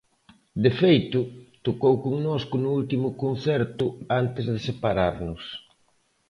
De feito, tocou connosco no último concerto antes de separarnos.